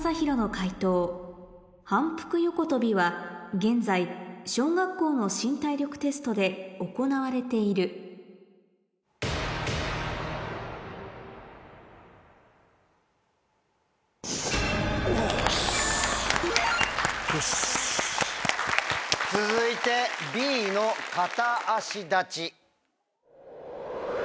現在小学校の新体力テストで行われている続いてＢの片足立ち。